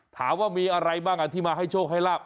ถามว่ามีอะไรบ้างที่มาให้โชคให้ลาบ